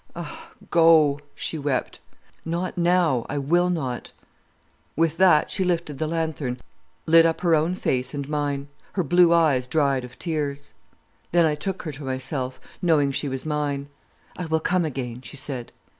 "'Ah, go,' she wept. "'Not now—I will not——' "With that she lifted the lanthorn, lit up her own face and mine. Her blue eyes dried of tears. Then I took her to myself, knowing she was mine. "'I will come again,' she said.